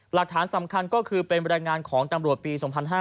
หลักฐานสำคัญก็คือเป็นบรรยายงานของตำรวจปี๒๕๕๙